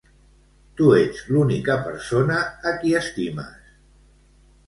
Tu ets l'única persona a qui estimes.